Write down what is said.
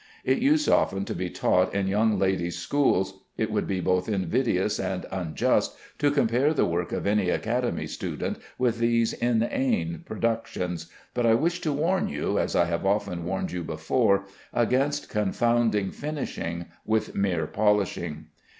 It used often to be taught in young ladies' schools. It would be both invidious and unjust to compare the work of any Academy student with these inane productions, but I wish to warn you, as I have often warned you before, against confounding "finishing" with mere polishing.